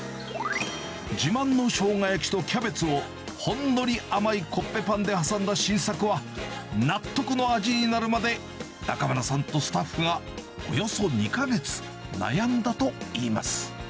自慢のショウガ焼きとキャベツを、ほんのり甘いコッペパンで挟んだ新作は、納得の味になるまで、中村さんとスタッフがおよそ２か月、悩んだといいます。